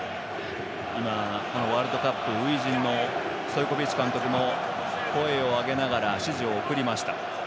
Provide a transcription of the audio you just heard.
ワールドカップ初陣のストイコビッチ監督も声を上げながら指示を送りました。